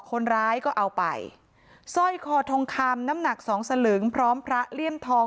คนร้ายก็เอาไปสร้อยคอทองคำน้ำหนักสองสลึงพร้อมพระเลี่ยมทอง